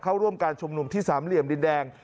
เข้าร่วมการชุมนุมที่สามเหลี่ยมดินแดง